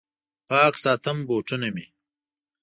پاک ساتم بوټونه مې